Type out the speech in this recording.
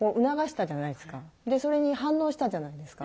でそれに反応したじゃないですか。